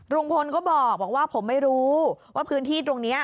ลุงพลก็บอกว่าผมไม่รู้ว่าพื้นที่ตรงนี้